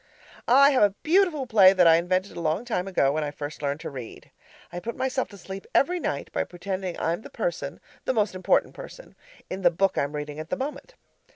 I have a beautiful play that I invented a long time ago when I first learned to read. I put myself to sleep every night by pretending I'm the person (the most important person) in the book I'm reading at the moment.